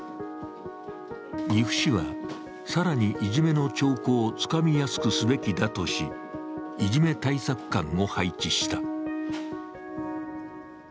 岐阜市は更にいじめの兆候をつかみやすくすべきだとし、いじめ対策監を配置した。